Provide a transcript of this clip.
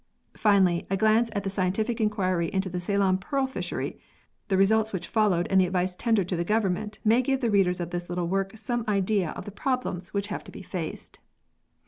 Finally, a glance at the scientific inquiry into the Ceylon Pearl Fishery, the results which followed and the advice tendered to the Government may give the readers of this little work some idea of the problems which have to be faced.